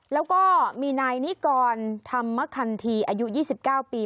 แล้วก็มีนายนิกรธรรมคันทีอายุ๒๙ปี